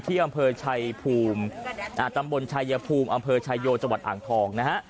ที่อำเภอชัยภูมิตำบลชายภูมิอำเภอชายโยจังหวัดอ่างทองนะฮะ